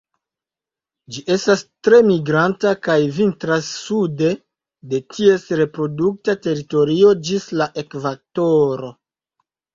Ĝi estas tre migranta kaj vintras sude de ties reprodukta teritorio ĝis la ekvatoro.